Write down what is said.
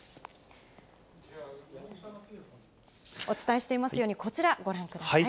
お伝えしていますように、こちら、ご覧ください。